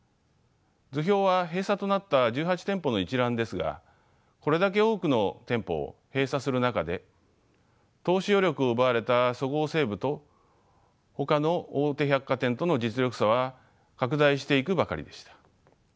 図表は閉鎖となった１８店舗の一覧ですがこれだけ多くの店舗を閉鎖する中で投資余力を奪われたそごう・西武とほかの大手百貨店との実力差は拡大していくばかりでした。